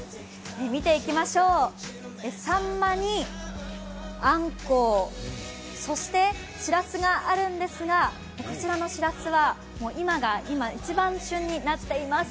見ていきましょう、さんまにあんこう、そしてしらすがあるんですがこちらのしらすは今一番旬になっています。